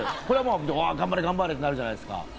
これはまぁ頑張れ頑張れってなるじゃないですか。